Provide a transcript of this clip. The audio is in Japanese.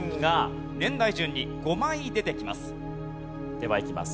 ではいきます。